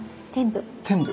天部。